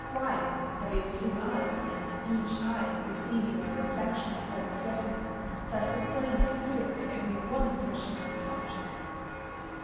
_Why, having two eyes, and each eye receiving a reflection upon its retina, does the brain experience only one impression of an object?